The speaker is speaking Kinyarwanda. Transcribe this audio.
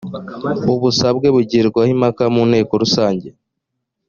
ubusabe bugibwaho impaka mu nteko rusange